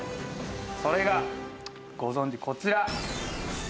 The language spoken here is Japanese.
それがご存じこちら。